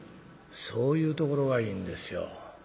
「そういうところがいいんですよ。